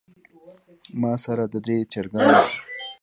ماسره درې چرګان دي